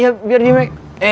iya biar di make